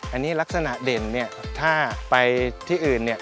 อันนี้ลักษณะเด่นถ้าไปที่อื่น